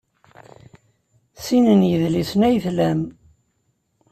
Sin n yidlisen ay tlam?